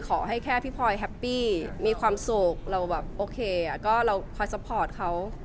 แค่พี่พลอยแฮปปี้มีความสุขเราแบบโอเคก็เราคอยซัพพอร์ตเขา